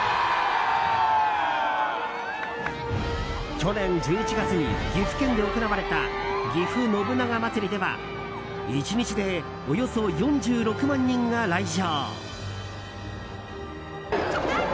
去年１１月に岐阜県で行われたぎふ信長まつりでは１日で、およそ４６万人が来場。